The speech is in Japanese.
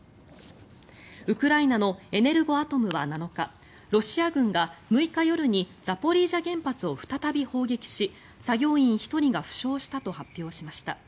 ウクライナのエネルゴアトムは７日ロシア軍が６日夜にザポリージャ原発を再び砲撃し作業員１人が負傷したと発表しました。